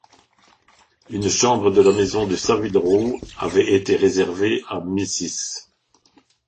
Une chambre de la maison de Saville-row avait été réservée à Mrs.